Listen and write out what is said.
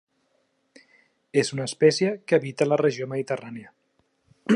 És una espècie que habita la regió Mediterrània.